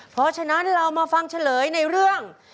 เพราะฉะนั้นเรามาฟังเฉลยในเรื่อง